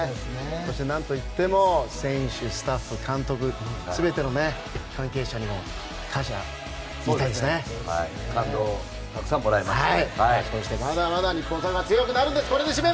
何といっても選手、スタッフ、監督全ての関係者にも感謝を言いたいですね。